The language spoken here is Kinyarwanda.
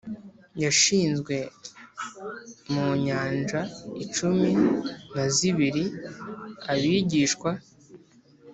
yashizwe mu nyanja cumi na zibiri, abigishwa